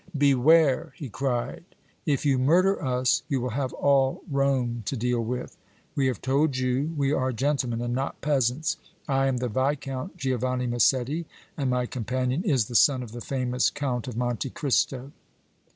"Beware!" he cried. "If you murder us, you will have all Rome to deal with! We have told you we are gentlemen and not peasants. I am the Viscount Giovanni Massetti and my companion is the son of the famous Count of Monte Cristo!"